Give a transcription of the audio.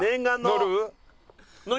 乗る？